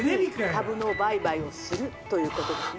「株の売買をするということですね」。